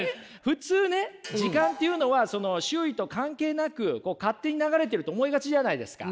普通ね時間っていうのは周囲と関係なく勝手に流れてると思いがちじゃないですか。